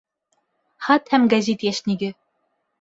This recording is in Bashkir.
Хат һәм гәзит йәшниге